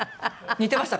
似てましたか？